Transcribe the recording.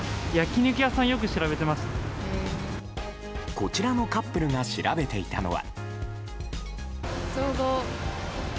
こちらのカップルが調べていたのは。